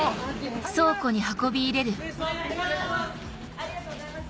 ありがとうございます